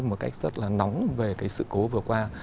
một cách rất là nóng về cái sự cố vừa qua